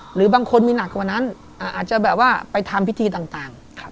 หรือบางคนมีหนักกว่านั้นอาจจะแบบว่าไปทำพิธีต่าง